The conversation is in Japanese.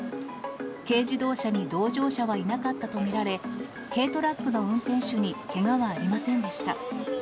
軽自動車に同乗者はいなかったと見られ、軽トラックの運転手にけがはありませんでした。